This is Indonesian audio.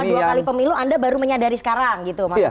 dua kali pemilu anda baru menyadari sekarang gitu mas